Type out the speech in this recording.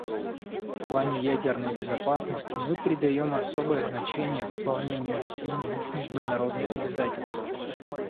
В плане ядерной безопасности мы придаем особое значение выполнению всеми их международных обязательств.